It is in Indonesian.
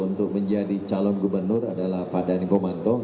untuk menjadi calon gubernur adalah pak dhani komanto